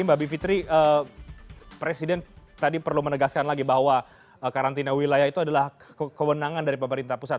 mbak bivitri presiden tadi perlu menegaskan lagi bahwa karantina wilayah itu adalah kewenangan dari pemerintah pusat